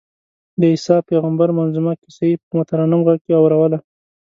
د عیسی پېغمبر منظمومه کیسه یې په مترنم غږ کې اورووله.